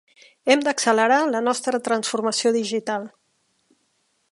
Hem d'accelerar la nostra transformació digital.